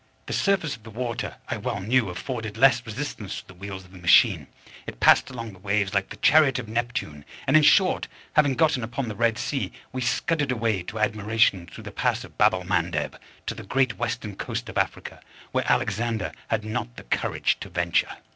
The surface of the water, I well knew, afforded less resistance to the wheels of the machine it passed along the waves like the chariot of Neptune; and in short, having gotten upon the Red Sea, we scudded away to admiration through the pass of Babelmandeb to the great Western coast of Africa, where Alexander had not the courage to venture.